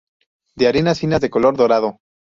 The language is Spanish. De arenas finas de color dorado.